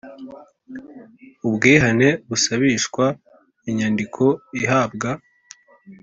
Ubwihane busabishwa inyandiko ihabwa